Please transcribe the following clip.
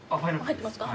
入ってますか？